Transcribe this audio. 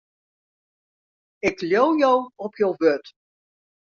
Ik leau jo op jo wurd.